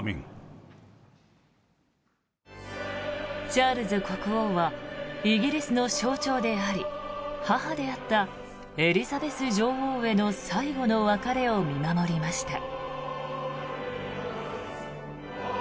チャールズ国王はイギリスの象徴であり母であったエリザベス女王への最後の別れを見守りました。